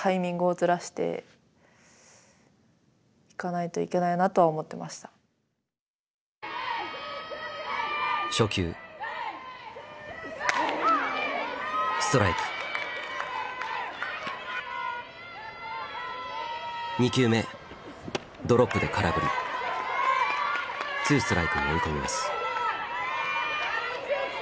ツーストライクに追い込みます。